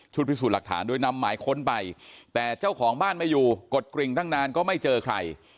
พิสูจน์หลักฐานด้วยนำหมายค้นไปแต่เจ้าของบ้านไม่อยู่กดกริ่งตั้งนานก็ไม่เจอใคร